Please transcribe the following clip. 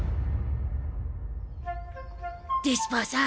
デスパーさん